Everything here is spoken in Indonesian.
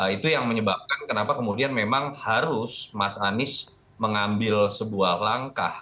itu yang menyebabkan kenapa kemudian memang harus mas anies mengambil sebuah langkah